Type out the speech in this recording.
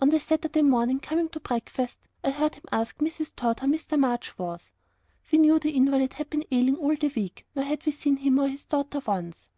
On the Saturday morning, coming to breakfast, I heard him ask Mrs. Tod how Mr. March was? We knew the invalid had been ailing all the week, nor had we seen him or his daughter once.